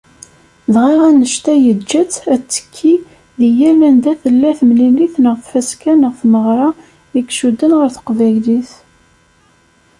Dɣa, annect-a yeǧǧa-tt ad tekki deg yal anda tella temlilit neɣ tfaska neɣ tmeɣra i icudden ɣer Teqbaylit.